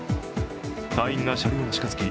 隊員が車両に近づき